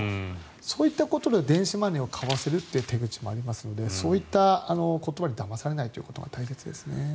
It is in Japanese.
そういったことで電子マネーを買わせる手口もありますのでそういった言葉にだまされないということが大切ですね。